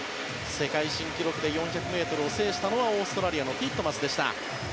世界新記録で４００ｍを制したのはオーストラリアのティットマスでした。